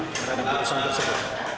terhadap putusan tersebut